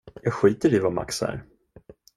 Jag skiter i var Max är!